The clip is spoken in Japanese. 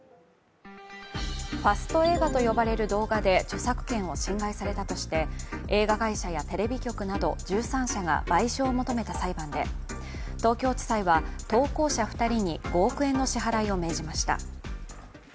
ファスト映画と呼ばれる動画で著作権を侵害されたとして映画会社やテレビ局など１３社が賠償を求めた裁判で東京地裁は投稿者２人に５億円の支払いを命じました。